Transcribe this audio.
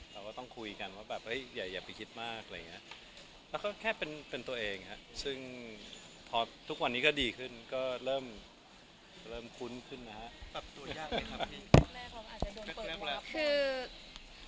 เราก็ต้องคุยกันว่าแบบอย่าไปคิดมากอะไรอย่างนี้แล้วก็แค่เป็นตัวเองซึ่งพอทุกวันนี้ก็ดีขึ้นก็เริ่มคุ้นขึ้นนะฮะ